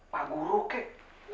pak guru kek